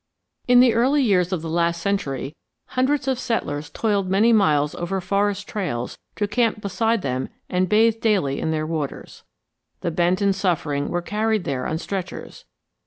In the early years of the last century hundreds of settlers toiled many miles over forest trails to camp beside them and bathe daily in their waters. The bent and suffering were carried there on stretchers.